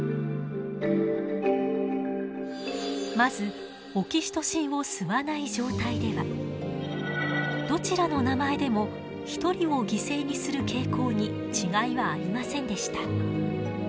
まずオキシトシンを吸わない状態ではどちらの名前でも１人を犠牲にする傾向に違いはありませんでした。